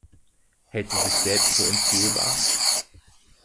Hält sie sich selbst für unfehlbar?